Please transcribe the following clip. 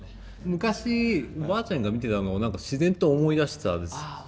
昔おばあちゃんが見てたのを何か自然と思い出したんです。